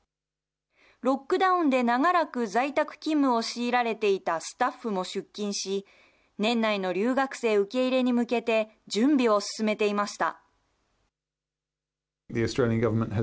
ロックダウンで長らく在宅勤務を強いられていたスタッフも出勤し、年内の留学生受け入れに向けて、準備を進めていました。